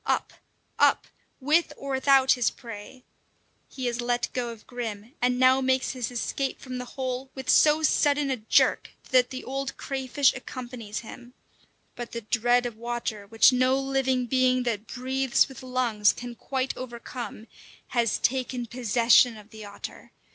Up! Up! With or without his prey! He has let go of Grim, and now makes his escape from the hole with so sudden a jerk that the old crayfish accompanies him; but the dread of water, which no living being that breathes with lungs can quite overcome, has taken possession of the otter.